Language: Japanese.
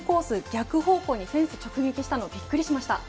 逆方向にフェンス直撃したのはびっくりしました。